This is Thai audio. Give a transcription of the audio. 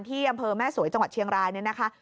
ที่อำเมอสวยจังหวัดเชียงรายนี้นะคะ